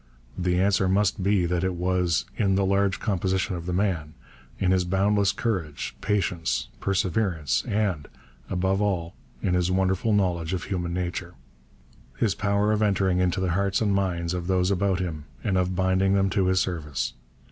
The answer must be that it was 'in the large composition of the man'; in his boundless courage, patience, perseverance; and, above all, in his wonderful knowledge of human nature his power of entering into the hearts and minds of those about him and of binding them to his service.